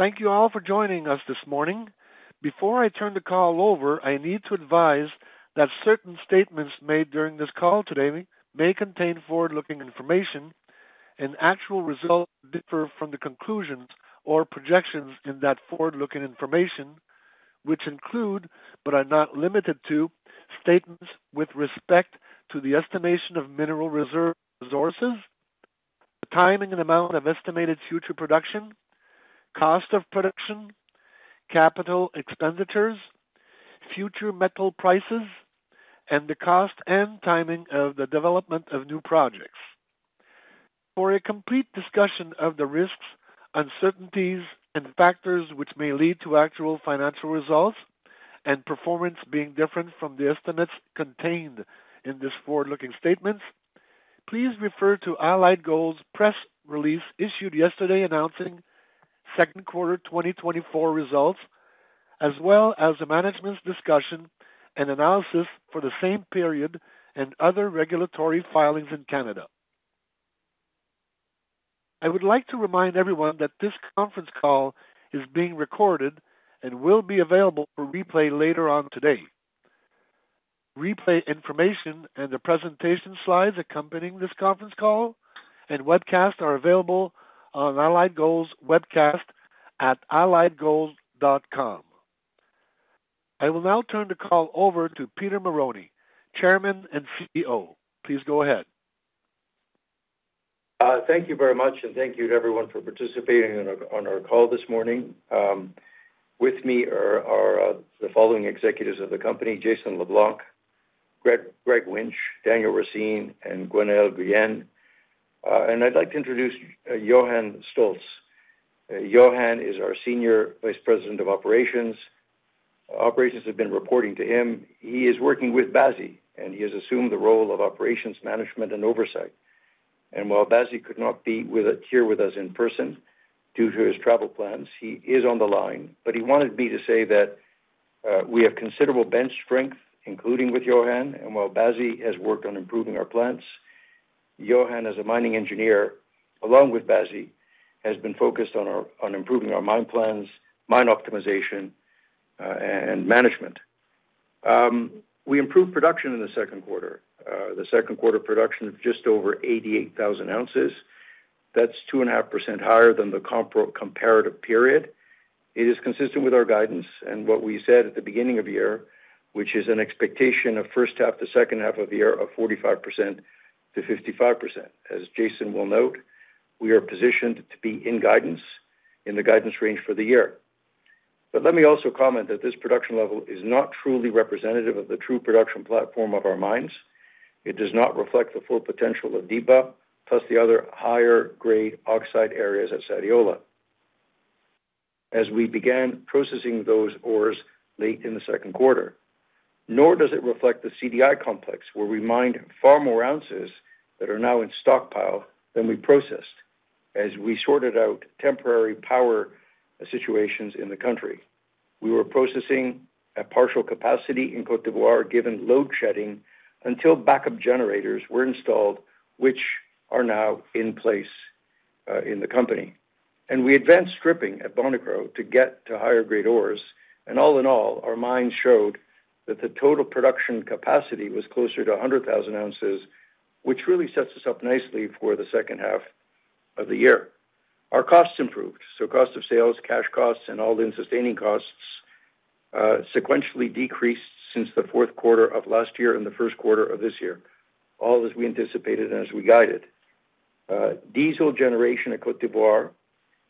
Thank you all for joining us this morning. Before I turn the call over, I need to advise that certain statements made during this call today may contain forward-looking information, and actual results differ from the conclusions or projections in that forward-looking information, which include, but are not limited to, statements with respect to the estimation of mineral reserve resources, the timing and amount of estimated future production, cost of production, capital expenditures, future metal prices, and the cost and timing of the development of new projects. For a complete discussion of the risks, uncertainties, and factors which may lead to actual financial results and performance being different from the estimates contained in this forward-looking statements, please refer to Allied Gold's press release issued yesterday, announcing second quarter 2024 results, as well as the management's discussion and analysis for the same period and other regulatory filings in Canada. I would like to remind everyone that this conference call is being recorded and will be available for replay later on today. Replay information and the presentation slides accompanying this conference call and webcast are available on Allied Gold webcast at alliedgold.com. I will now turn the call over to Peter Marrone, Chairman and CEO. Please go ahead. Thank you very much, and thank you to everyone for participating on our call this morning. With me are the following executives of the company, Jason LeBlanc, Greg Winch, Daniel Racine, and Gwenaëlle Guillen. I'd like to introduce Johann Stolz. Johann is our Senior Vice President of Operations. Operations have been reporting to him. He is working with Basie, and he has assumed the role of operations, management, and oversight. While Basie could not be with us here in person due to his travel plans, he is on the line. But he wanted me to say that we have considerable bench strength, including with Johann, and while Basie has worked on improving our plants, Johann, as a mining engineer, along with Basie, has been focused on improving our mine plans, mine optimization, and management. We improved production in the second quarter. The second quarter production of just over 88,000 ounces. That's 2.5% higher than the comparative period. It is consistent with our guidance and what we said at the beginning of the year, which is an expectation of first half to second half of the year of 45%-55%. As Jason will note, we are positioned to be in guidance, in the guidance range for the year. But let me also comment that this production level is not truly representative of the true production platform of our mines. It does not reflect the full potential of Diba, plus the other higher grade oxide areas at Sadiola. As we began processing those ores late in the second quarter, nor does it reflect the CDI complex, where we mined far more ounces that are now in stockpile than we processed, as we sorted out temporary power situations in the country. We were processing at partial capacity in Côte d'Ivoire, given load shedding, until backup generators were installed, which are now in place, in the company. And we advanced stripping at Bonikro to get to higher-grade ores, and all in all, our mines showed that the total production capacity was closer to 100,000 ounces, which really sets us up nicely for the second half of the year. Our costs improved, so cost of sales, cash costs, and all-in sustaining costs, sequentially decreased since the fourth quarter of last year and the first quarter of this year, all as we anticipated and as we guided. Diesel generation at Côte d'Ivoire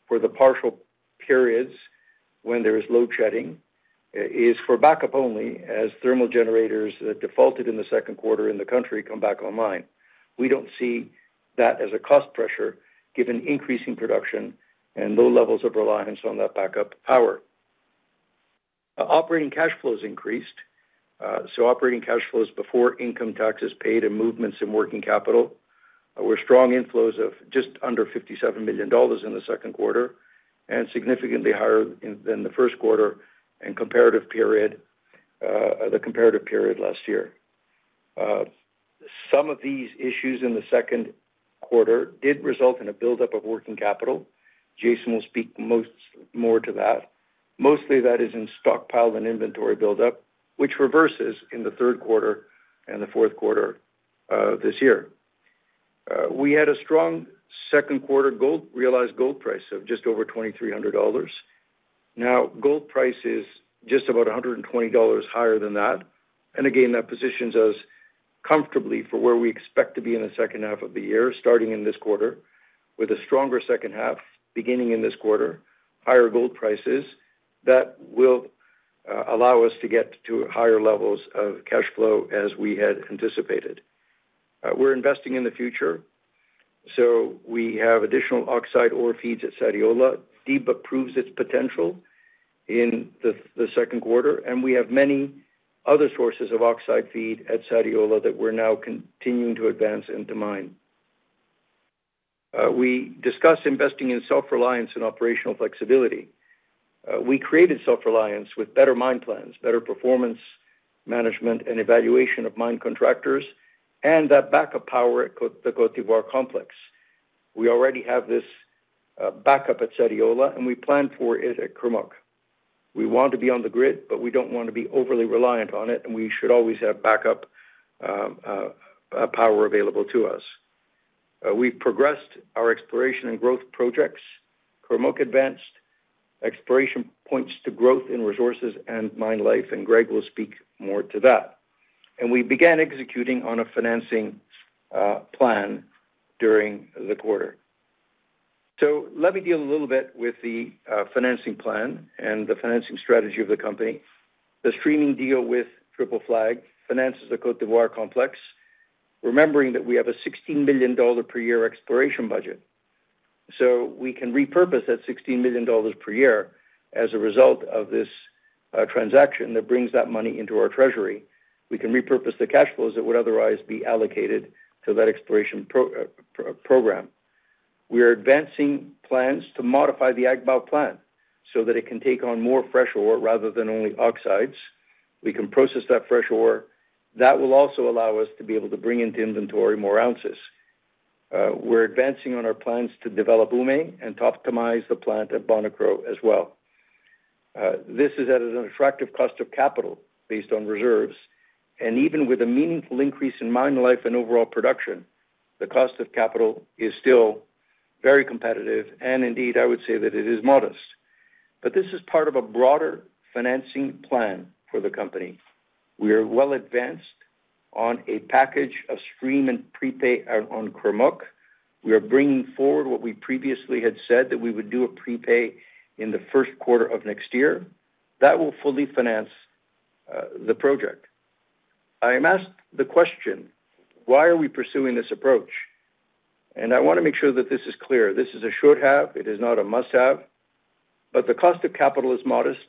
for the partial periods when there is load shedding is for backup only as thermal generators defaulted in the second quarter in the country come back online. We don't see that as a cost pressure, given increasing production and low levels of reliance on that backup power. Operating cash flows increased, so operating cash flows before income taxes paid and movements in working capital were strong inflows of just under $57 million in the second quarter and significantly higher than the first quarter and comparative period, the comparative period last year. Some of these issues in the second quarter did result in a buildup of working capital. Jason will speak more to that. Mostly, that is in stockpiled and inventory buildup, which reverses in the third quarter and the fourth quarter this year. We had a strong second quarter gold, realized gold price of just over $2,300. Now, gold price is just about $120 higher than that, and again, that positions us comfortably for where we expect to be in the second half of the year, starting in this quarter, with a stronger second half, beginning in this quarter, higher gold prices, that will allow us to get to higher levels of cash flow as we had anticipated. We're investing in the future, so we have additional oxide ore feeds at Sadiola. Diba proves its potential in the second quarter, and we have many other sources of oxide feed at Sadiola that we're now continuing to advance and to mine. We discussed investing in self-reliance and operational flexibility. We created self-reliance with better mine plans, better performance management, and evaluation of mine contractors, and that backup power at the Côte d'Ivoire complex. We already have this backup at Sadiola, and we plan for it at Kurmuk. We want to be on the grid, but we don't want to be overly reliant on it, and we should always have backup power available to us. We've progressed our exploration and growth projects. Kurmuk advanced exploration points to growth in resources and mine life, and Greg will speak more to that. We began executing on a financing plan during the quarter. So let me deal a little bit with the financing plan and the financing strategy of the company. The streaming deal with Triple Flag finances the Côte d'Ivoire complex, remembering that we have a $16 billion per year exploration budget. So we can repurpose that $16 billion per year as a result of this, transaction that brings that money into our treasury. We can repurpose the cash flows that would otherwise be allocated to that exploration program. We are advancing plans to modify the Agbaou plant so that it can take on more fresh ore rather than only oxides. We can process that fresh ore. That will also allow us to be able to bring into inventory more ounces. We're advancing on our plans to develop Oumé and to optimize the plant at Bonikro as well. This is at an attractive cost of capital based on reserves, and even with a meaningful increase in mine life and overall production, the cost of capital is still very competitive, and indeed, I would say that it is modest. But this is part of a broader financing plan for the company. We are well advanced on a package of stream and prepay on, on Kurmuk. We are bringing forward what we previously had said, that we would do a prepay in the first quarter of next year. That will fully finance the project. I am asked the question, why are we pursuing this approach? And I want to make sure that this is clear. This is a should have, it is not a must-have, but the cost of capital is modest.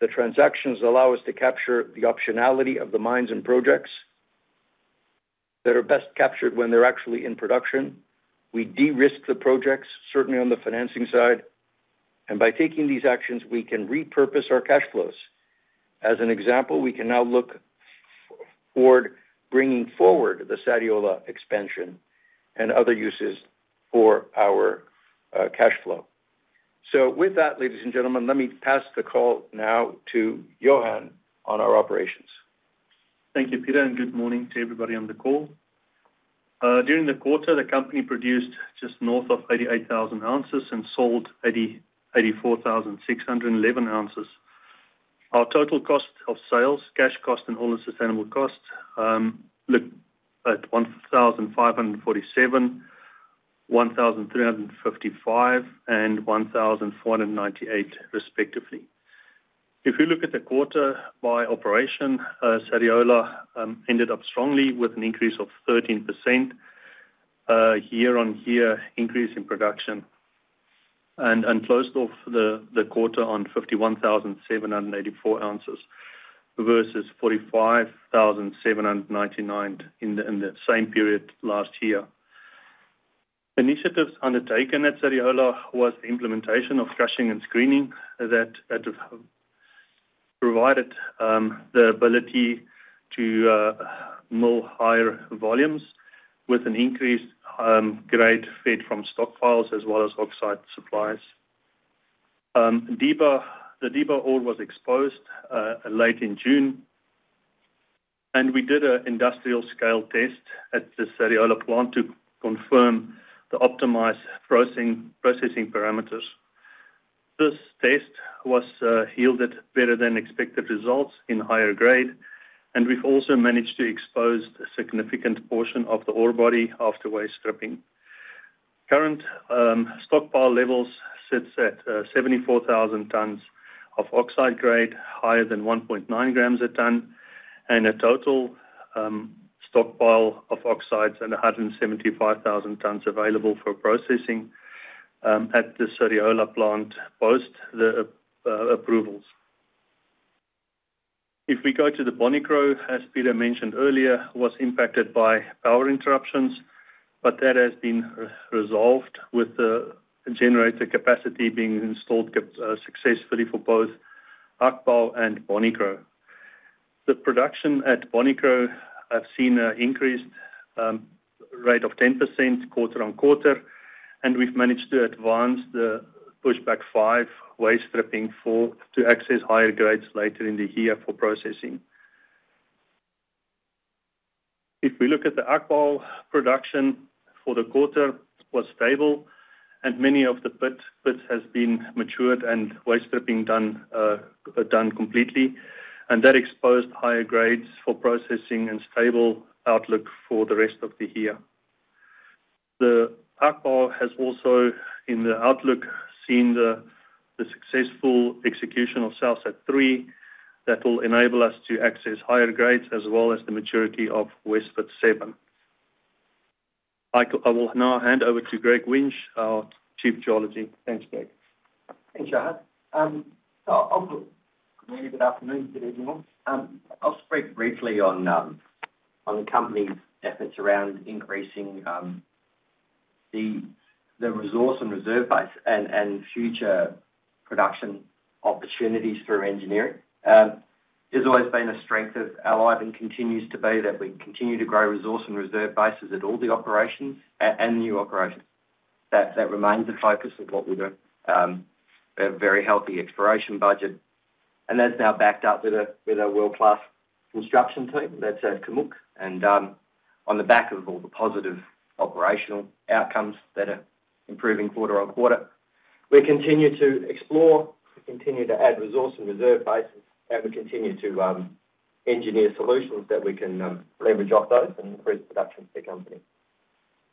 The transactions allow us to capture the optionality of the mines and projects that are best captured when they're actually in production. We de-risk the projects, certainly on the financing side, and by taking these actions, we can repurpose our cash flows. As an example, we can now look forward bringing forward the Sadiola expansion and other uses for our cash flow. With that, ladies and gentlemen, let me pass the call now to Johann on our operations. Thank you, Peter, and good morning to everybody on the call. During the quarter, the company produced just north of 88,000 ounces and sold 84,611 ounces. Our total cost of sales, cash cost, and all sustainable costs looked at $1,547, $1,355, and $1,498, respectively. If you look at the quarter by operation, Sadiola ended up strongly with an increase of 13%, year-on-year increase in production, and closed off the quarter on 51,784 ounces versus 45,799 in the same period last year. Initiatives undertaken at Sadiola was the implementation of crushing and screening that provided the ability to mill higher volumes with an increased grade fed from stockpiles as well as oxide supplies. Diba. The Diba ore was exposed late in June, and we did an industrial scale test at the Sadiola plant to confirm the optimized processing parameters. This test was yielded better than expected results in higher grade, and we've also managed to expose a significant portion of the ore body after waste stripping. Current stockpile levels sits at 74,000 tons of oxide grade, higher than 1.9 grams a ton, and a total stockpile of oxides and 175,000 tons available for processing at the Sadiola plant, post the approvals. If we go to the Bonikro, as Peter mentioned earlier, was impacted by power interruptions, but that has been re-resolved with the generator capacity being installed successfully for both Agbaou and Bonikro. The production at Bonikro have seen an increased rate of 10% quarter-on-quarter, and we've managed to advance the pushback five waste stripping for to access higher grades later in the year for processing. If we look at the Agbaou production for the quarter, was stable and many of the pits has been matured and waste stripping done done completely, and that exposed higher grades for processing and stable outlook for the rest of the year. The Agbaou has also, in the outlook, seen the successful execution of South Sat 3, that will enable us to access higher grades as well as the maturity of West Pit Seven. I will now hand over to Greg Winch, our Chief of Geology. Thanks, Greg. Thanks, Johann. Good afternoon, good evening. I'll speak briefly on the company's efforts around increasing, the resource and reserve base and future production opportunities through engineering has always been a strength of Allied and continues to be, that we continue to grow resource and reserve bases at all the operations and new operations. That remains the focus of what we do. A very healthy exploration budget, and that's now backed up with a world-class construction team that's at Kurmuk. And on the back of all the positive operational outcomes that are improving quarter-over-quarter, we continue to explore, we continue to add resource and reserve bases, and we continue to engineer solutions that we can leverage off those and increase production to the company.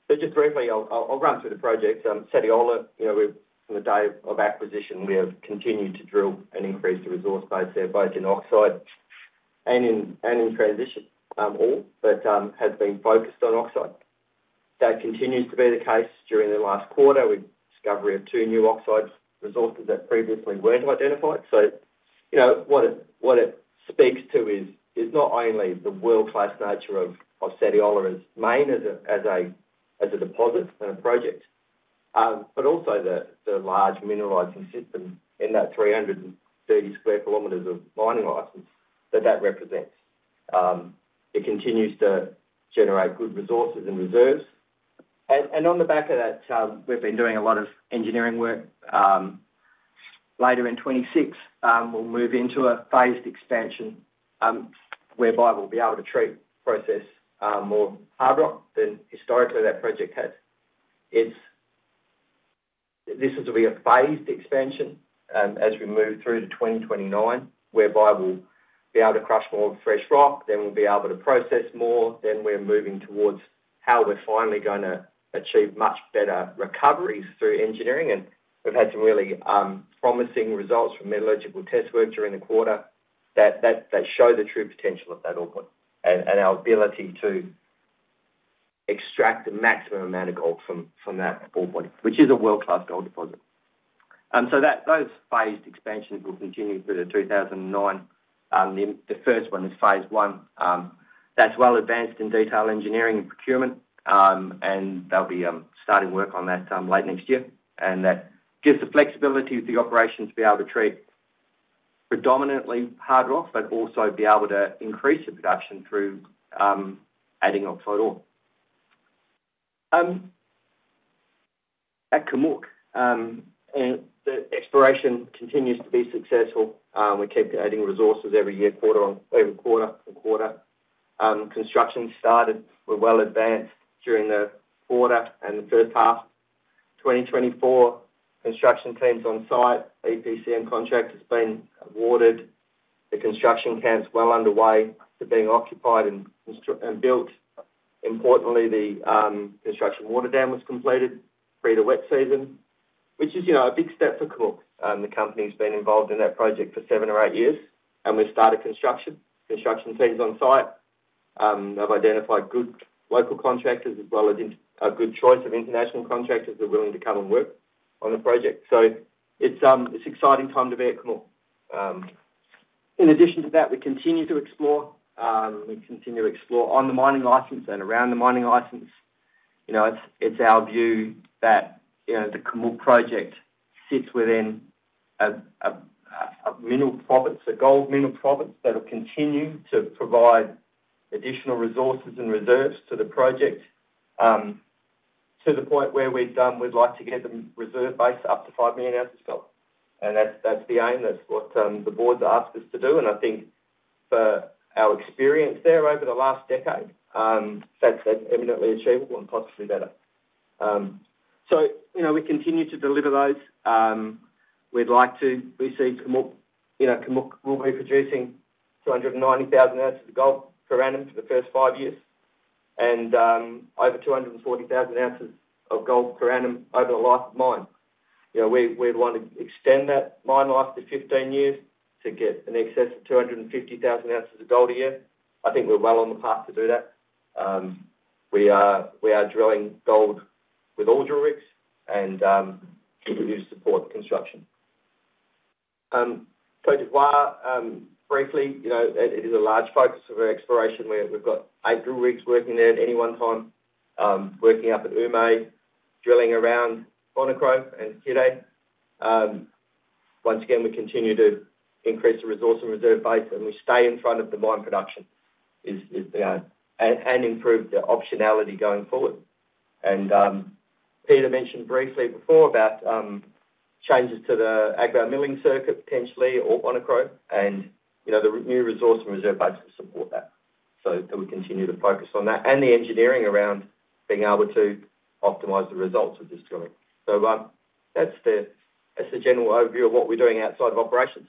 So just briefly, I'll run through the projects. Sadiola, you know, we've from the day of acquisition, we have continued to drill and increase the resource base there, both in oxide and in transition, all but has been focused on oxide. That continues to be the case. During the last quarter, we've discovery of two new oxides, resources that previously weren't identified. So, you know, what it speaks to is not only the world-class nature of Sadiola as a mine, as a deposit and a project, but also the large mineralizing system in that 330 square kilometers of mining license that represents. It continues to generate good resources and reserves. On the back of that, we've been doing a lot of engineering work. Later in 2026, we'll move into a phased expansion, whereby we'll be able to treat process more hard rock than historically that project has. This will be a phased expansion, as we move through to 2029, whereby we'll be able to crush more fresh rock, then we'll be able to process more, then we're moving towards how we're finally gonna achieve much better recoveries through engineering. And we've had some really promising results from metallurgical test work during the quarter, that show the true potential of that ore body and our ability to extract the maximum amount of gold from that ore body, which is a world-class gold deposit. So that, those phased expansions will continue through 2029. The first one is phase one. That's well advanced in detail engineering and procurement. And they'll be starting work on that late next year. And that gives the flexibility of the operation to be able to treat predominantly hard rocks, but also be able to increase the production through adding oxide ore. At Kurmuk, and the exploration continues to be successful. We keep adding resources every year, quarter on, every quarter and quarter. Construction started. We're well advanced during the quarter and the first half of 2024, construction teams on site, EPC and contract has been awarded. The construction camp's well underway to being occupied and built. Importantly, the construction water dam was completed for the wet season, which is, you know, a big step for Kurmuk. The company's been involved in that project for seven or eight years, and we've started construction. Construction team's on site. They've identified good local contractors, as well as a good choice of international contractors that are willing to come and work on the project. So it's exciting time to be at Kurmuk. In addition to that, we continue to explore on the mining license and around the mining license. You know, it's our view that, you know, the Kurmuk project sits within a mineral province, a gold mineral province, that will continue to provide additional resources and reserves to the project, to the point where we'd like to get the reserve base up to 5 million ounces gold. That's the aim. That's what, the board's asked us to do, and I think for our experience there over the last decade, that's, that's eminently achievable and possibly better. So, you know, we continue to deliver those. We'd like to receive Kurmuk, you know, Kurmuk will be producing 290,000 ounces of gold per annum for the first 5 years, and, over 240,000 ounces of gold per annum over the life of mine. You know, we, we'd want to extend that mine life to 15 years to get in excess of 250,000 ounces of gold a year. I think we're well on the path to do that. We are, we are drilling gold with all drill rigs and, to continue to support construction. For Côte d'Ivoire, briefly, you know, it is a large focus of our exploration. We've got 8 drill rigs working there at any one time, working up at Oumé, drilling around Bonikro and Hiré. Once again, we continue to increase the resource and reserve base, and we stay in front of the mine production, and improve the optionality going forward. Peter mentioned briefly before about changes to the Agbaou milling circuit, potentially, or Bonikro, and, you know, the renewed resource and reserve budgets support that. So we continue to focus on that, and the engineering around being able to optimize the results of this drilling. So, that's the general overview of what we're doing outside of operations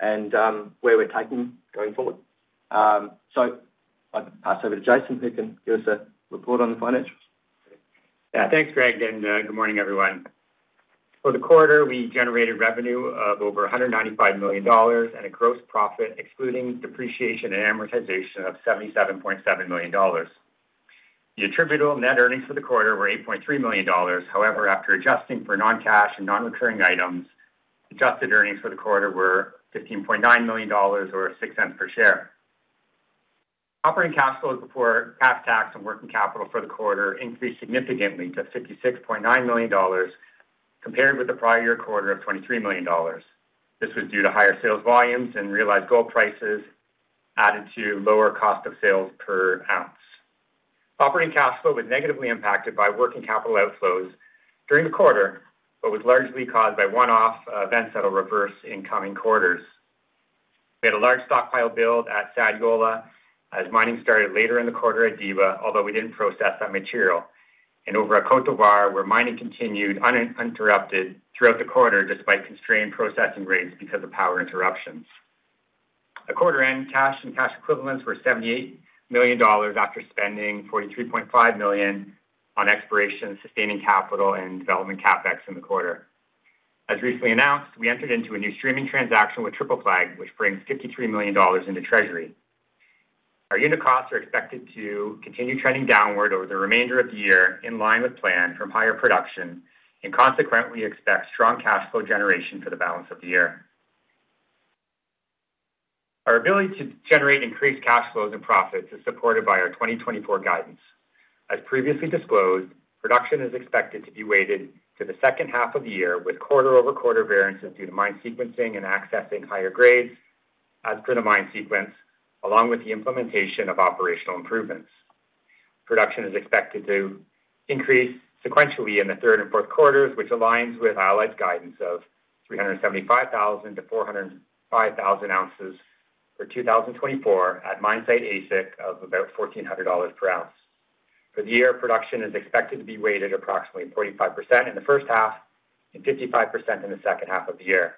and, where we're taking going forward. I'll pass over to Jason, who can give us a report on the financials. Yeah. Thanks, Greg, and good morning, everyone. For the quarter, we generated revenue of over $195 million and a gross profit, excluding depreciation and amortization, of $77.7 million. The attributable net earnings for the quarter were $8.3 million. However, after adjusting for non-cash and non-recurring items, adjusted earnings for the quarter were $15.9 million or $0.06 per share. Operating cash flows before cash tax and working capital for the quarter increased significantly to $56.9 million, compared with the prior year quarter of $23 million. This was due to higher sales volumes and realized gold prices, added to lower cost of sales per ounce. Operating cash flow was negatively impacted by working capital outflows during the quarter, but was largely caused by one-off events that will reverse in coming quarters. We had a large stockpile build at Sadiola, as mining started later in the quarter at Diba, although we didn't process that material. And over at Kurmuk, where mining continued uninterrupted throughout the quarter, despite constrained processing rates because of power interruptions. At quarter end, cash and cash equivalents were $78 million after spending $43.5 million on exploration, sustaining capital, and development CapEx in the quarter. As recently announced, we entered into a new streaming transaction with Triple Flag, which brings $53 million into treasury. Our unit costs are expected to continue trending downward over the remainder of the year, in line with plan from higher production, and consequently, expect strong cash flow generation for the balance of the year. Our ability to generate increased cash flows and profits is supported by our 2024 guidance. As previously disclosed, production is expected to be weighted to the second half of the year, with quarter-over-quarter variances due to mine sequencing and accessing higher grades as per the mine sequence, along with the implementation of operational improvements. Production is expected to increase sequentially in the third and fourth quarters, which aligns with our guidance of 375,000-405,000 ounces for 2024 at mine site AISC of about $1,400 per ounce. For the year, production is expected to be weighted approximately 45% in the first half and 55% in the second half of the year.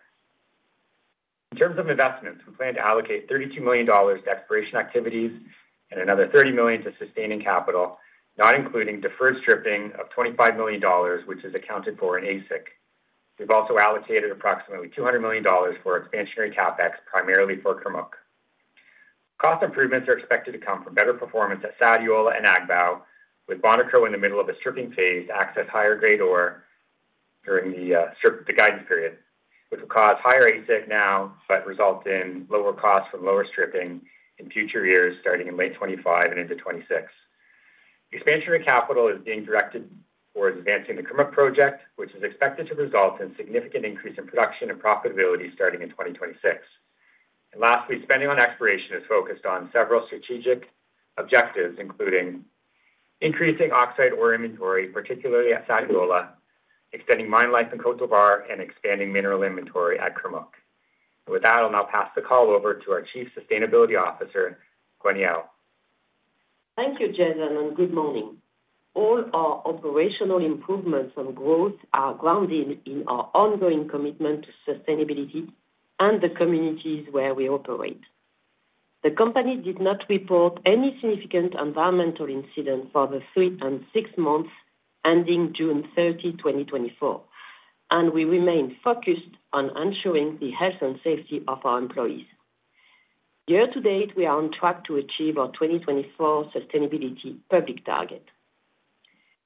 In terms of investments, we plan to allocate $32 million to exploration activities and another $30 million to sustaining capital, not including deferred stripping of $25 million, which is accounted for in AISC. We've also allocated approximately $200 million for expansionary CapEx, primarily for Kurmuk. Cost improvements are expected to come from better performance at Sadiola and Agbaou, with Bonikro in the middle of a stripping phase to access higher-grade ore during the guidance period, which will cause higher AISC now, but result in lower costs from lower stripping in future years, starting in late 2025 and into 2026. Expansionary capital is being directed towards advancing the Kurmuk project, which is expected to result in significant increase in production and profitability starting in 2026. And lastly, spending on exploration is focused on several strategic objectives, including increasing oxide ore inventory, particularly at Sadiola, extending mine life in Kurmuk, and expanding mineral inventory at Kurmuk. And with that, I'll now pass the call over to our Chief Sustainability Officer, Gwenaëlle. Thank you, Jason, and good morning. All our operational improvements on growth are grounded in our ongoing commitment to sustainability and the communities where we operate. The company did not report any significant environmental incident for the three and six months ending June 30, 2024, and we remain focused on ensuring the health and safety of our employees. Year to date, we are on track to achieve our 2024 sustainability public target.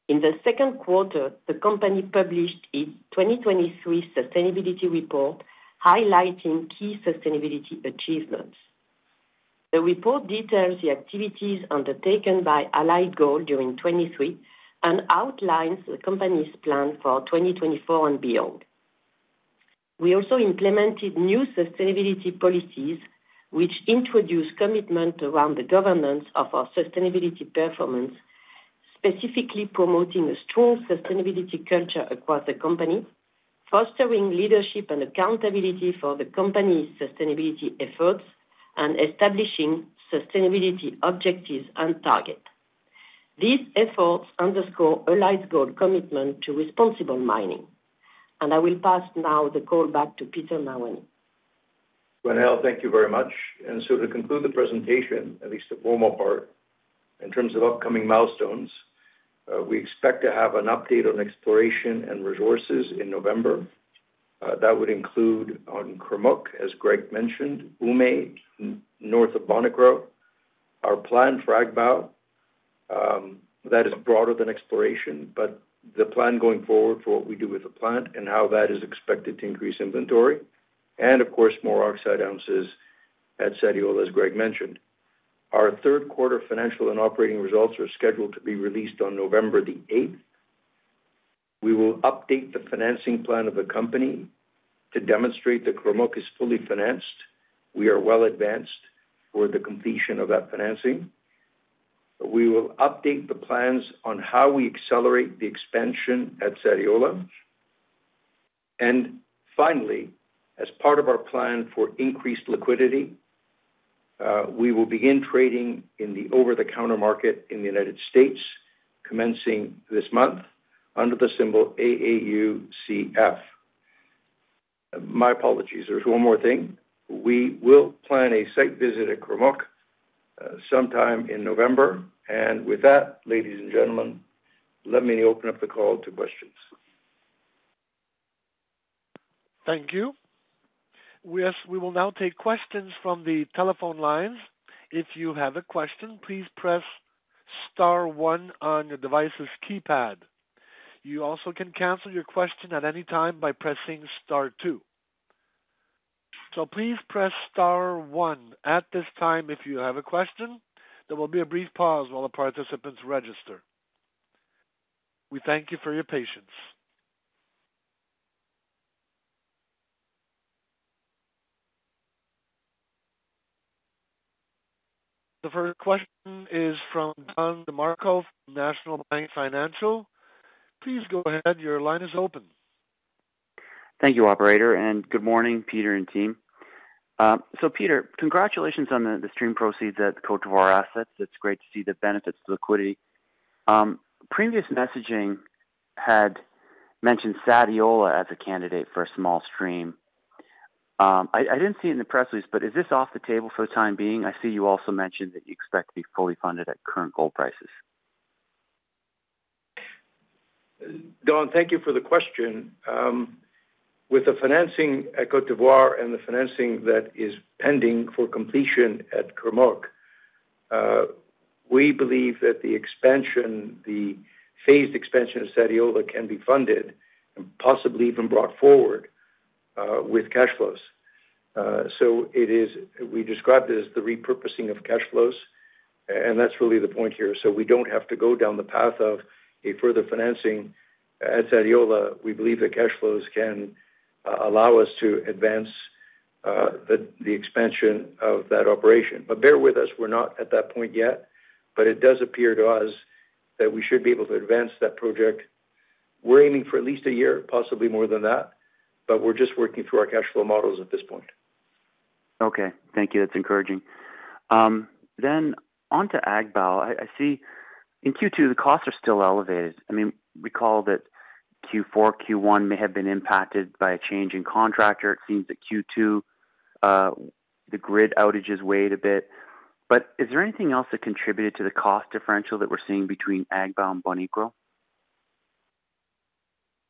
In the second quarter, the company published its 2023 sustainability report, highlighting key sustainability achievements. The report details the activities undertaken by Allied Gold during '23 and outlines the company's plan for 2024 and beyond. We also implemented new sustainability policies, which introduce commitment around the governance of our sustainability performance, specifically promoting a strong sustainability culture across the company, fostering leadership and accountability for the company's sustainability efforts, and establishing sustainability objectives and target. These efforts underscore Allied Gold's commitment to responsible mining, and I will pass now the call back to Peter Marrone. Gwenaëlle, thank you very much. So to conclude the presentation, at least the formal part, in terms of upcoming milestones, we expect to have an update on exploration and resources in November. That would include on Kurmuk, as Greg mentioned, Oumé, north of Bonikro, our plan for Agbaou, that is broader than exploration, but the plan going forward for what we do with the plant and how that is expected to increase inventory, and of course, more oxide ounces at Sadiola, as Greg mentioned. Our third quarter financial and operating results are scheduled to be released on November the eighth. We will update the financing plan of the company to demonstrate that Kurmuk is fully financed. We are well advanced for the completion of that financing. We will update the plans on how we accelerate the expansion at Sadiola. And finally, as part of our plan for increased liquidity, we will begin trading in the over-the-counter market in the United States, commencing this month under the symbol AAUCF. My apologies, there's one more thing. We will plan a site visit at Kurmuk, sometime in November. And with that, ladies and gentlemen, let me open up the call to questions. Thank you. Yes, we will now take questions from the telephone lines. If you have a question, please press star one on your device's keypad. You also can cancel your question at any time by pressing star two.... So please press star one at this time, if you have a question. There will be a brief pause while the participants register. We thank you for your patience. The first question is from Don DeMarco, National Bank Financial. Please go ahead. Your line is open. Thank you, operator, and good morning, Peter and team. So Peter, congratulations on the stream proceeds at the Côte d'Ivoire assets. It's great to see the benefits of liquidity. Previous messaging had mentioned Sadiola as a candidate for a small stream. I didn't see it in the press release, but is this off the table for the time being? I see you also mentioned that you expect to be fully funded at current gold prices. Don, thank you for the question. With the financing at Côte d'Ivoire and the financing that is pending for completion at Kurmuk, we believe that the expansion, the phased expansion of Sadiola can be funded and possibly even brought forward with cash flows. So it is, we describe it as the repurposing of cash flows, and that's really the point here. So we don't have to go down the path of a further financing at Sadiola. We believe the cash flows can allow us to advance the expansion of that operation. But bear with us, we're not at that point yet, but it does appear to us that we should be able to advance that project. We're aiming for at least a year, possibly more than that, but we're just working through our cash flow models at this point. Okay. Thank you. That's encouraging. Then on to Agbaou. I see in Q2, the costs are still elevated. I mean, recall that Q4, Q1 may have been impacted by a change in contractor. It seems that Q2, the grid outages weighed a bit, but is there anything else that contributed to the cost differential that we're seeing between Agbaou and Bonikro?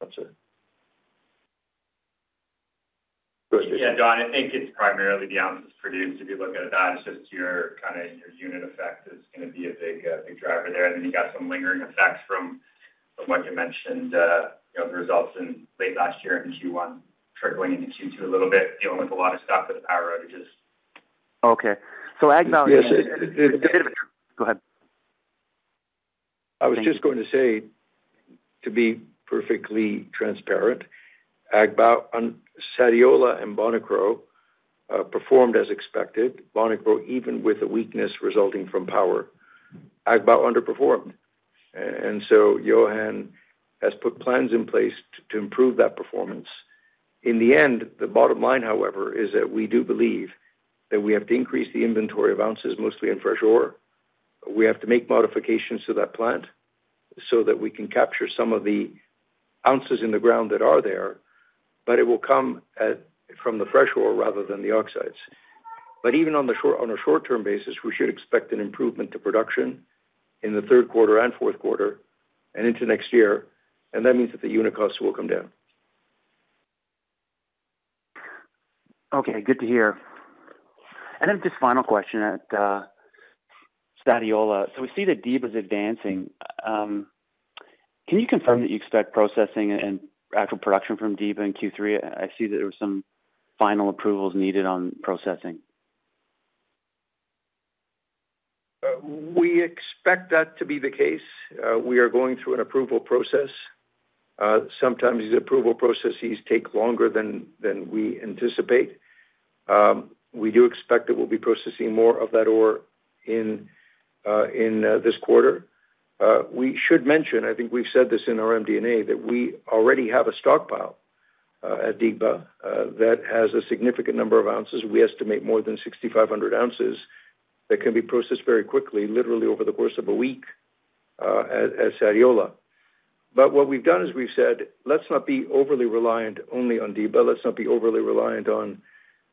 That's it. Go ahead. Yeah, Don, I think it's primarily the ounces produced. If you look at it, that it's just your, kind of, your unit effect is gonna be a big, big driver there. And then you got some lingering effects from what you mentioned, you know, the results in late last year in Q1, trickling into Q2 a little bit, dealing with a lot of stuff with the power outages. Okay, so Agbaou. Yes. Go ahead. I was just going to say, to be perfectly transparent, Agbaou and Sadiola and Bonikro performed as expected. Bonikro, even with the weakness resulting from power, Agbaou underperformed. And so Johann has put plans in place to improve that performance. In the end, the bottom line, however, is that we do believe that we have to increase the inventory of ounces, mostly in fresh ore. We have to make modifications to that plant so that we can capture some of the ounces in the ground that are there, but it will come at, from the fresh ore rather than the oxides. But even on the short, on a short-term basis, we should expect an improvement to production in the third quarter and fourth quarter and into next year, and that means that the unit costs will come down. Okay, good to hear. Then just final question at Sadiola. So we see that Diba is advancing. Can you confirm that you expect processing and actual production from Diba in Q3? I see that there were some final approvals needed on processing. We expect that to be the case. We are going through an approval process. Sometimes these approval processes take longer than we anticipate. We do expect that we'll be processing more of that ore in this quarter. We should mention, I think we've said this in our MD&A, that we already have a stockpile at Diba that has a significant number of ounces. We estimate more than 6,500 ounces that can be processed very quickly, literally over the course of a week, at Sadiola. But what we've done is we've said, "Let's not be overly reliant only on Diba. Let's not be overly reliant on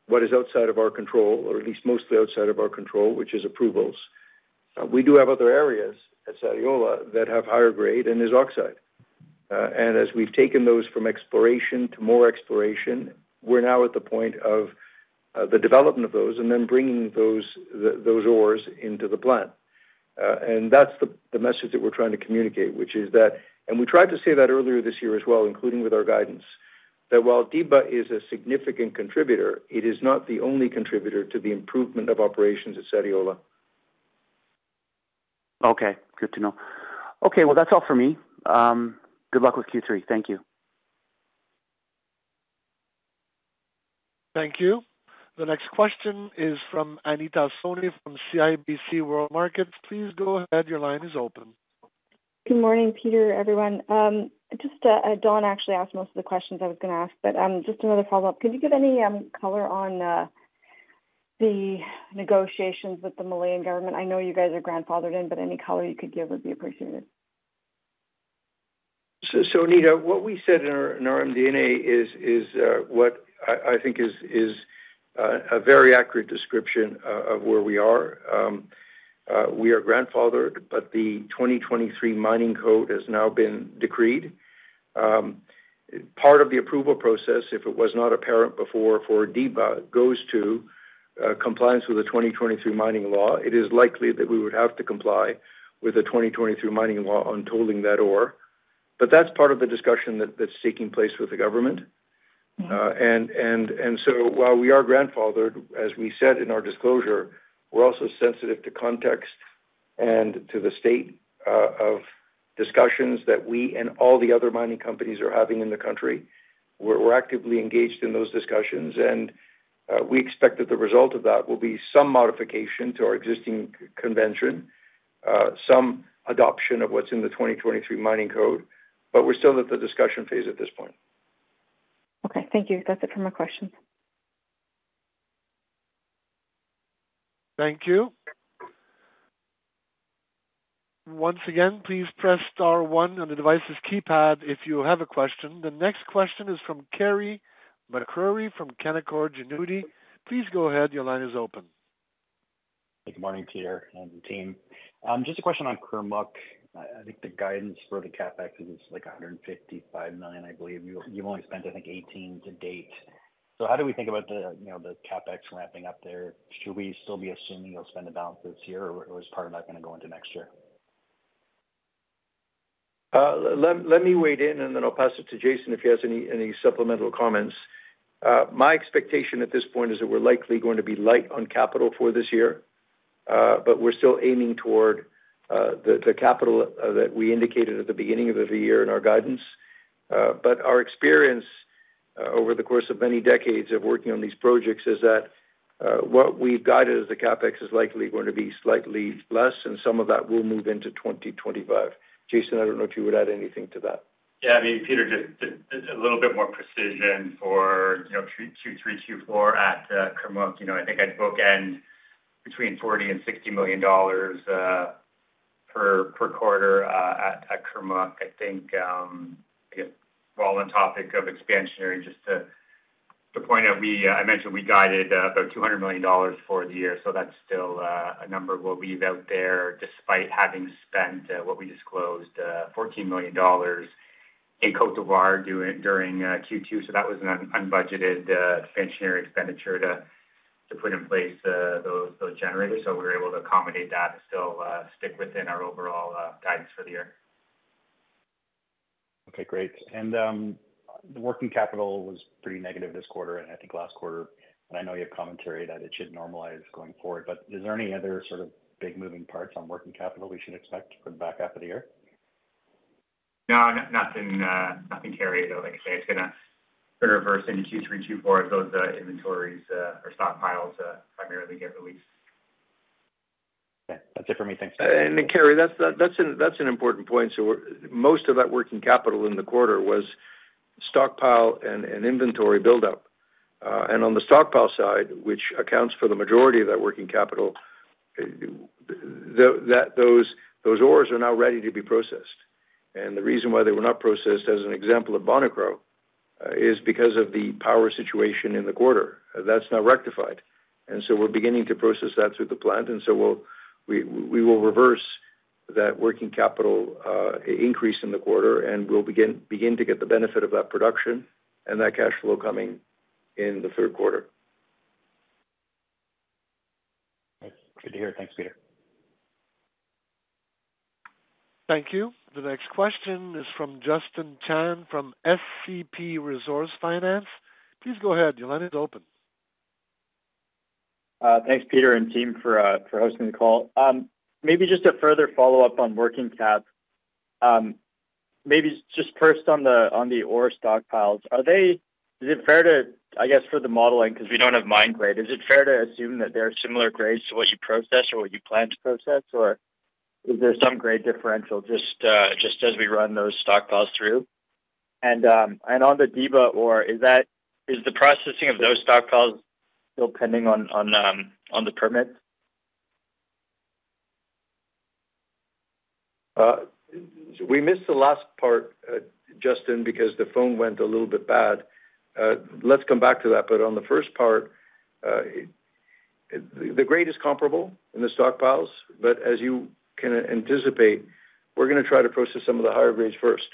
what is outside of our control, or at least mostly outside of our control, which is approvals." We do have other areas at Sadiola that have higher grade and is oxide. And as we've taken those from exploration to more exploration, we're now at the point of the development of those and then bringing those ores into the plant. And that's the message that we're trying to communicate, which is that... And we tried to say that earlier this year as well, including with our guidance, that while Diba is a significant contributor, it is not the only contributor to the improvement of operations at Sadiola. Okay, good to know. Okay, well, that's all for me. Good luck with Q3. Thank you. Thank you. The next question is from Anita Soni from CIBC World Markets. Please go ahead. Your line is open. Good morning, Peter, everyone. Just, Don actually asked most of the questions I was gonna ask, but, just another follow-up. Could you give any color on the negotiations with the Malian government? I know you guys are grandfathered in, but any color you could give would be appreciated. So, Anita, what we said in our MD&A is what I think is a very accurate description of where we are. We are grandfathered, but the 2023 mining code has now been decreed. Part of the approval process, if it was not apparent before for Diba, goes to compliance with the 2023 mining law. It is likely that we would have to comply with the 2023 mining law on tolling that ore. But that's part of the discussion that's taking place with the government. So while we are grandfathered, as we said in our disclosure, we're also sensitive to context and to the state of discussions that we and all the other mining companies are having in the country. We're actively engaged in those discussions, and we expect that the result of that will be some modification to our existing convention, some adoption of what's in the 2023 mining code, but we're still at the discussion phase at this point. Okay, thank you. That's it for my questions. Thank you. Once again, please press star one on the device's keypad if you have a question. The next question is from Carey MacRury, from Canaccord Genuity. Please go ahead. Your line is open. Good morning, Peter and the team. Just a question on Kurmuk. I think the guidance for the CapEx is like $155 million, I believe. You've only spent, I think, $18 million to date. So how do we think about the, you know, the CapEx ramping up there? Should we still be assuming you'll spend the balance this year, or is part of that gonna go into next year? Let me weigh in, and then I'll pass it to Jason, if he has any supplemental comments. My expectation at this point is that we're likely going to be light on capital for this year, but we're still aiming toward the capital that we indicated at the beginning of the year in our guidance. But our experience over the course of many decades of working on these projects is that what we've guided as the CapEx is likely going to be slightly less, and some of that will move into 2025. Jason, I don't know if you would add anything to that. Yeah, I mean, Peter, just a little bit more precision for, you know, Q3, Q4 at Kurmuk. You know, I think I'd bookend between $40 million and $60 million per quarter at Kurmuk. I think, while on topic of expansionary, just to point out, I mentioned we guided about $200 million for the year, so that's still a number we'll leave out there, despite having spent what we disclosed $14 million in Côte d'Ivoire during Q2. So that was an unbudgeted expansionary expenditure to put in place those generators. So we were able to accommodate that and still stick within our overall guidance for the year. Okay, great. The working capital was pretty negative this quarter, and I think last quarter, and I know you have commentary that it should normalize going forward, but is there any other sort of big moving parts on working capital we should expect for the back half of the year? No, no, nothing, nothing carryover, like I say, it's gonna reverse into Q3, Q4 as those inventories or stockpiles primarily get released. Okay. That's it for me. Thanks. And Carey, that's an important point. So most of that working capital in the quarter was stockpile and inventory buildup. And on the stockpile side, which accounts for the majority of that working capital, those ores are now ready to be processed. And the reason why they were not processed, as an example of Bonikro, is because of the power situation in the quarter. That's now rectified. And so we're beginning to process that through the plant, and so we will reverse that working capital increase in the quarter, and we'll begin to get the benefit of that production and that cash flow coming in the third quarter. Thanks. Good to hear. Thanks, Peter. Thank you. The next question is from Justin Chan, from SCP Resource Finance. Please go ahead. Your line is open. Thanks, Peter and team, for hosting the call. Maybe just a further follow-up on working cap. Maybe just first on the ore stockpiles. Are they... Is it fair to, I guess, for the modeling, because we don't have mine grade, is it fair to assume that there are similar grades to what you processed or what you plan to process, or is there some grade differential just as we run those stockpiles through? And on the Diba ore, is that, is the processing of those stockpiles still pending on the permit? We missed the last part, Justin, because the phone went a little bit bad. Let's come back to that. But on the first part, the grade is comparable in the stockpiles, but as you can anticipate, we're gonna try to process some of the higher grades first,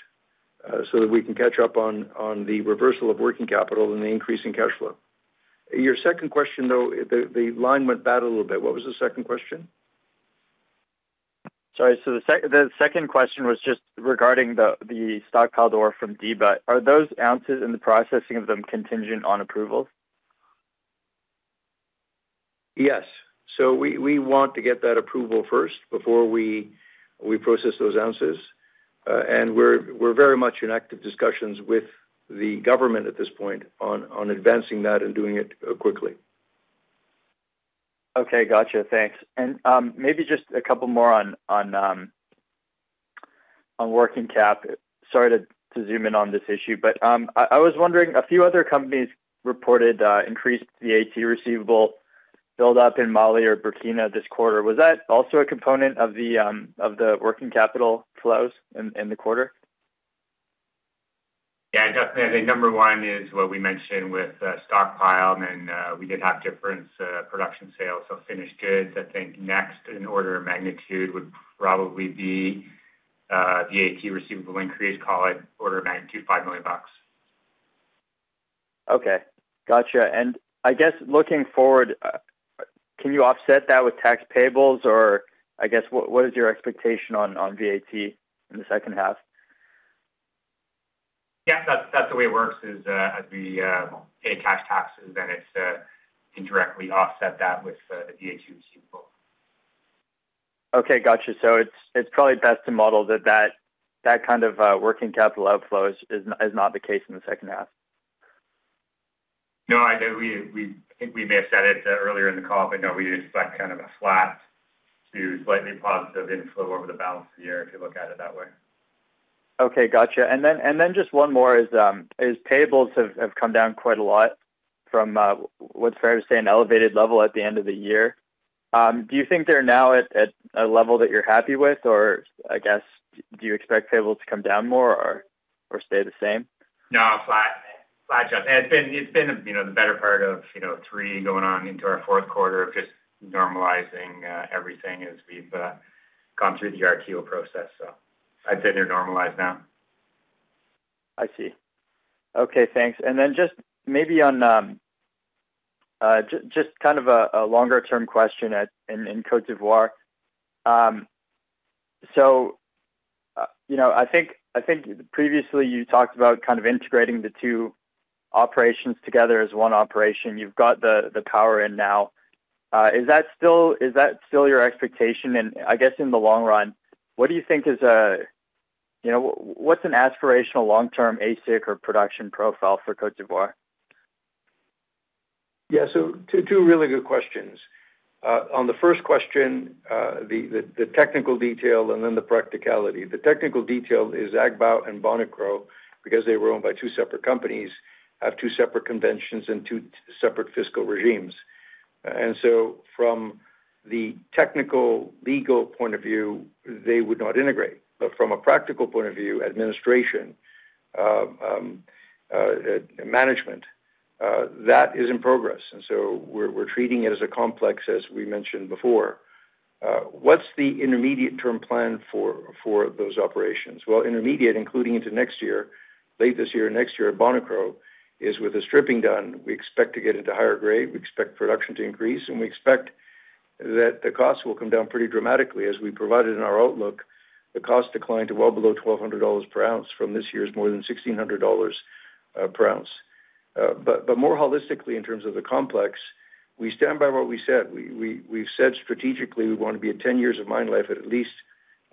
so that we can catch up on the reversal of working capital and the increase in cash flow. Your second question, though, the line went bad a little bit. What was the second question? Sorry, so the second question was just regarding the stockpile ore from Diba. Are those ounces and the processing of them contingent on approval? Yes. So we want to get that approval first before we process those ounces, and we're very much in active discussions with the government at this point on advancing that and doing it quickly. Okay, gotcha. Thanks. And maybe just a couple more on working cap. Sorry to zoom in on this issue, but I was wondering, a few other companies reported increased the A/R receivable buildup in Mali or Burkina this quarter. Was that also a component of the working capital flows in the quarter? Yeah, definitely. I think number one is what we mentioned with stockpile, and we did have different production sales, so finished goods. I think next in order of magnitude would probably be the AT receivable increase, call it order of magnitude, $5 million. Okay, gotcha. And I guess looking forward, can you offset that with tax payables or I guess what is your expectation on VAT in the second half? Yeah, that's the way it works, as we pay cash taxes, then it's indirectly offset that with the VAT receivable. Okay, got you. So it's probably best to model that kind of working capital outflows is not the case in the second half. No, I do. We, I think we may have said it earlier in the call, but no, we expect kind of a flat to slightly positive inflow over the balance of the year, if you look at it that way. Okay, got you. And then just one more is, as payables have come down quite a lot from what's fair to say an elevated level at the end of the year, do you think they're now at a level that you're happy with, or I guess do you expect payables to come down more or stay the same? No, flat. Flat. It's been, it's been, you know, the better part of, you know, three going on into our fourth quarter of just normalizing, everything as we've gone through the RTO process. So I'd say they're normalized now. I see. Okay, thanks. And then just maybe on, just kind of a longer-term question in Côte d'Ivoire. So, you know, I think, I think previously you talked about kind of integrating the two operations together as one operation. You've got the, the power in now. Is that still, is that still your expectation? And I guess in the long run, what do you think is a, you know, what's an aspirational long-term AISC or production profile for Côte d'Ivoire? Yeah, so 2 really good questions. On the first question, the technical detail and then the practicality. The technical detail is Agbaou and Bonikro, because they were owned by 2 separate companies, have 2 separate conventions and 2 separate fiscal regimes. And so from the technical, legal point of view, they would not integrate. But from a practical point of view, administration, management, that is in progress, and so we're treating it as a complex, as we mentioned before. What's the intermediate term plan for those operations? Well, intermediate, including into next year, late this year, next year at Bonikro, is with the stripping done, we expect to get into higher grade. We expect production to increase, and we expect that the costs will come down pretty dramatically. As we provided in our outlook, the cost declined to well below $1,200 per ounce from this year's more than $1,600 per ounce. But more holistically, in terms of the complex, we stand by what we said. We've said strategically, we want to be at 10 years of mine life at least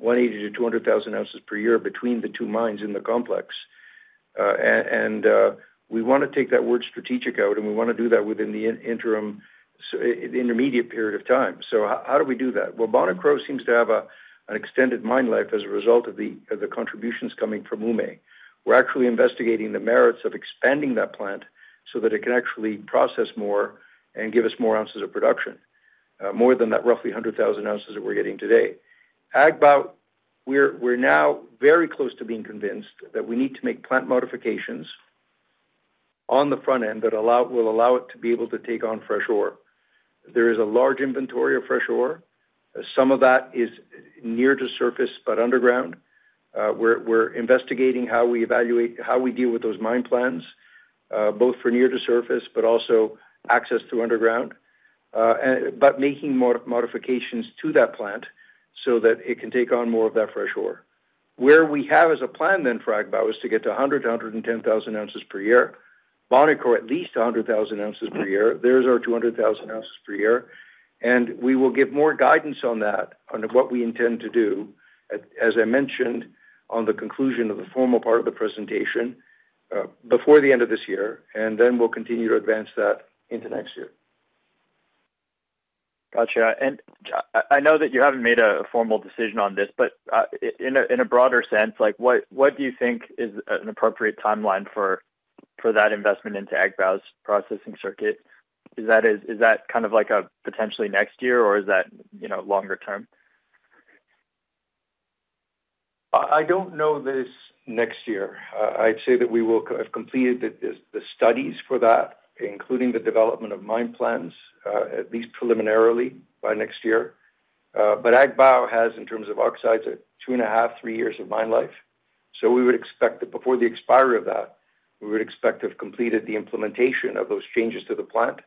180,000-200,000 ounces per year between the two mines in the complex. And we want to take that word strategic out, and we want to do that within the interim, so the intermediate period of time. So how do we do that? Well, Bonikro seems to have an extended mine life as a result of the contributions coming from Oumé. We're actually investigating the merits of expanding that plant so that it can actually process more and give us more ounces of production, more than that, roughly 100,000 ounces that we're getting today. Agbaou, we're now very close to being convinced that we need to make plant modifications on the front end that will allow it to be able to take on fresh ore. There is a large inventory of fresh ore. Some of that is near to surface, but underground. We're investigating how we evaluate, how we deal with those mine plans, both for near to surface, but also access to underground, and making modifications to that plant so that it can take on more of that fresh ore. Where we have as a plan then for Agbaou is to get to 100,000 to 110,000 ounces per year. Bonikro, at least 100,000 ounces per year. There's our 200,000 ounces per year, and we will give more guidance on that, on what we intend to do, as, as I mentioned, on the conclusion of the formal part of the presentation, before the end of this year, and then we'll continue to advance that into next year. Gotcha. And I know that you haven't made a formal decision on this, but, in a broader sense, like, what do you think is an appropriate timeline for that investment into Agbaou's processing circuit? Is that kind of like a potentially next year or is that, you know, longer term? I don't know that it's next year. I'd say that we will have completed the studies for that, including the development of mine plans, at least preliminarily by next year. But Agbaou has, in terms of oxides, 2.5 years-3 years of mine life. So we would expect that before the expiry of that, we would expect to have completed the implementation of those changes to the plant,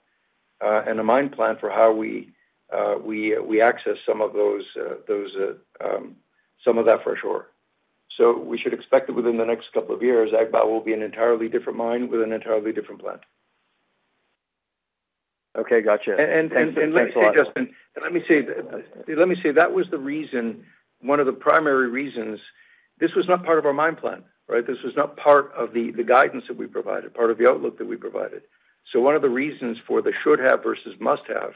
and a mine plan for how we access some of those, some of that fresh ore. So we should expect that within the next couple of years, Agbaou will be an entirely different mine with an entirely different plant. Okay, gotcha. Let me say, Justin, that was the reason, one of the primary reasons... This was not part of our mine plan, right? This was not part of the guidance that we provided, part of the outlook that we provided. So one of the reasons for the should have versus must have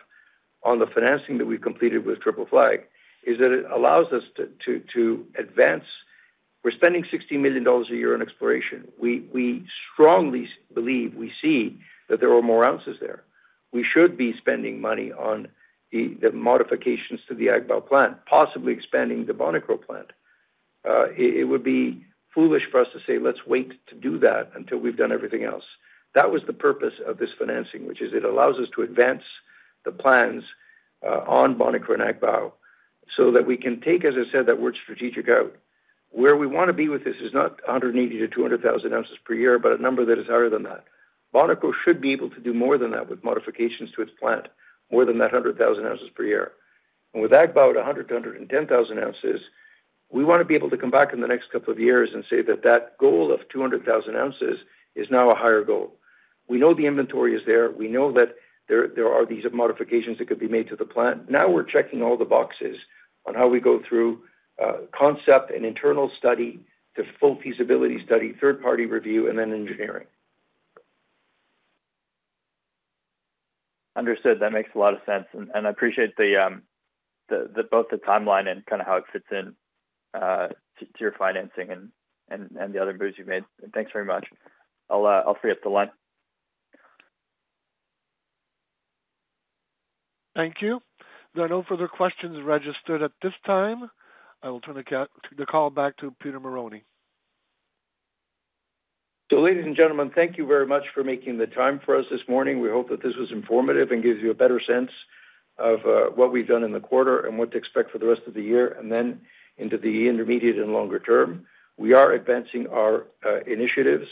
on the financing that we completed with Triple Flag is that it allows us to advance. We're spending $60 million a year on exploration. We strongly believe, we see that there are more ounces there. We should be spending money on the modifications to the Agbaou plant, possibly expanding the Bonikro plant. It would be foolish for us to say, let's wait to do that until we've done everything else. That was the purpose of this financing, which is it allows us to advance the plans on Bonikro and Agbaou so that we can take, as I said, that word strategic out. Where we want to be with this is not 180,000 ounces-200,000 ounces per year, but a number that is higher than that. Bonikro should be able to do more than that with modifications to its plant, more than 100,000 ounces per year. And with Agbaou, at 100,000-110,000 ounces, we want to be able to come back in the next couple of years and say that that goal of 200,000 ounces is now a higher goal. We know the inventory is there. We know that there, there are these modifications that could be made to the plant. Now we're checking all the boxes on how we go through, concept and internal study to full feasibility study, third-party review, and then engineering. Understood. That makes a lot of sense, and I appreciate both the timeline and kind of how it fits in to your financing and the other moves you've made. Thanks very much. I'll free up the line. Thank you. There are no further questions registered at this time. I will turn the call back to Peter Marrone. So ladies and gentlemen, thank you very much for making the time for us this morning. We hope that this was informative and gives you a better sense of what we've done in the quarter and what to expect for the rest of the year, and then into the intermediate and longer term. We are advancing our initiatives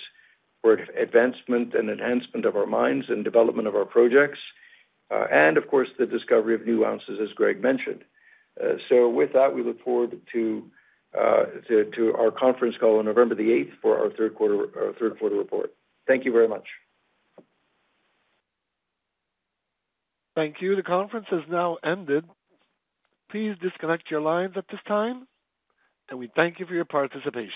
for advancement and enhancement of our mines and development of our projects, and of course, the discovery of new ounces, as Greg mentioned. So with that, we look forward to our conference call on November the eighth for our third quarter, our third quarter report. Thank you very much. Thank you. The conference has now ended. Please disconnect your lines at this time, and we thank you for your participation.